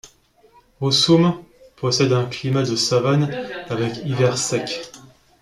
Oshum possède un climat de savane avec hiver sec.